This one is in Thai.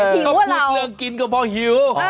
ถ้าพูดเรื่องกินก็พอหิว